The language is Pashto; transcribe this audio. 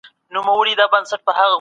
د پرانیستي چاپېریال ګټې څه وې؟